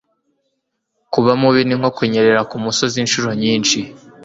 kuba mubi ni nko kunyerera kumusozi. inshuro nyinshi